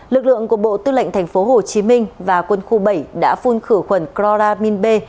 lực lượng của bộ tư lệnh tp hcm và quân khu bảy đã phun khử khuẩn clora min b